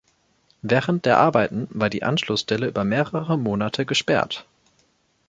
Während der Arbeiten war die Anschlussstelle über mehrere Monate gesperrt.